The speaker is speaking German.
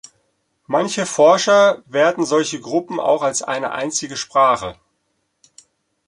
Manche Forscher werten solche Gruppen auch als eine einzige Sprache.